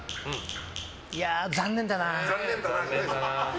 いや、残念だな。